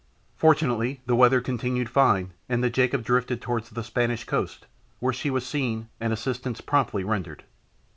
Fortunately the weather continued fine, and the Jacob drifted towards the Spanish coast, where she was seen and assistance promptly rendered.